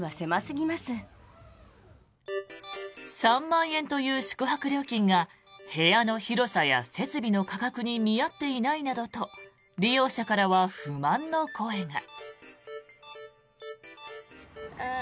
３万円という宿泊料金が部屋の広さや設備の価格に見合っていないなどと利用者からは不満の声が。